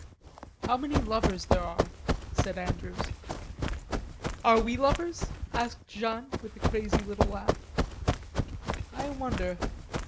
"How many lovers there are," said Andrews. "Are we lovers?" asked Jeanne with a curious little laugh. "I wonder....